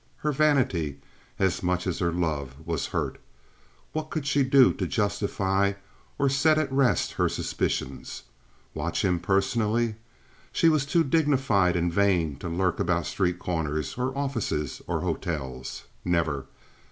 Her vanity, as much as her love, was hurt. What could she do to justify or set at rest her suspicions? Watch him personally? She was too dignified and vain to lurk about street corners or offices or hotels. Never!